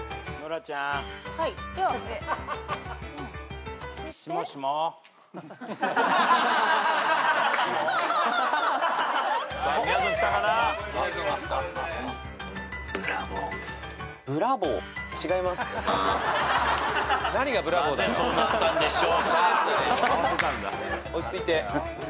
落ち着いて。